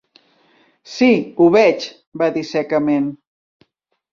"Sí, ho veig", va dir secament.